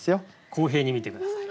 公平に見て下さい。